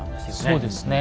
そうですね。